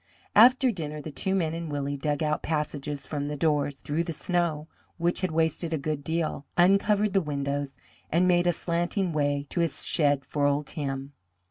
After dinner the two men and Willie dug out passages from the doors, through the snow, which had wasted a good deal, uncovered the windows, and made a slanting way to his shed for old Tim.